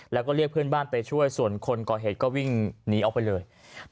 แล้วก็เรียกเพื่อนบ้านไปช่วยส่วนคนก่อเหตุก็วิ่งหนีออกไปเลย